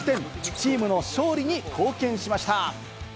チームの勝利に貢献しました。